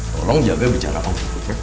tolong jaga bicara om